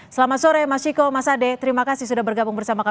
selamat sore mas ciko mas ade terima kasih sudah bergabung bersama kami